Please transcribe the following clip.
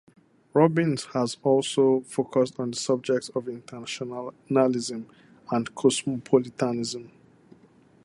Robbins has also focused on the subjects of internationalism and cosmopolitanism.